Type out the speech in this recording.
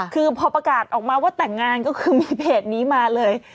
คือพอประกาศออกมาว่าแต่งงานก็คือมีเพจนี้มาเลย